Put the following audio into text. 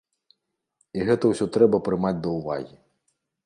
І гэта ўсё трэба прымаць да ўвагі.